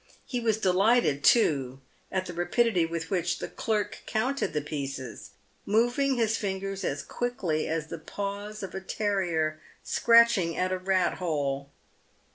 He was delighted, too, at the rapidity with which the clerk counted the pieces, moving his fingers as quickly as the paws of a terrier scratching at a rat hole.